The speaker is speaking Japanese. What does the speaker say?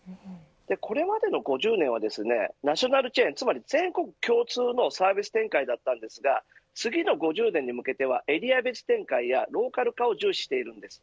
これまでの５０年はナショナルチェーンつまり、全国共通のサービス展開だったんですが次の５０年に向けてはエリア別展開やローカル化を重視しているんです。